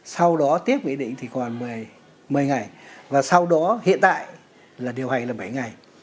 sau đó tiếp nghị định thì còn một mươi ngày và sau đó hiện tại là điều hành là bảy ngày